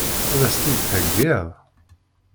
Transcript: Ad as-tt-id-theggiḍ?